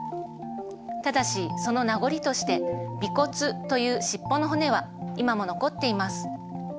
ただしその名残として尾骨という尻尾の骨は今も残っています。